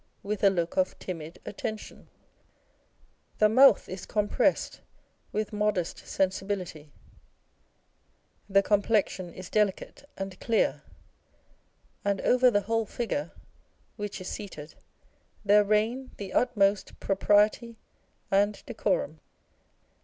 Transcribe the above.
with a look of timid attention ; the mouth is compressed with modest sensibility ; the complexion is delicate and clear ; and over the whole figure (which is seated) there reign the utmost propriety and decorum.